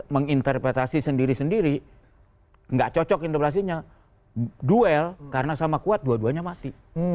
menginterpretasi sendiri sendiri nggak cocok interpelasinya duel karena sama kuat dua duanya mati